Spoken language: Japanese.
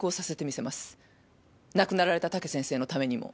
亡くなられた武先生のためにも。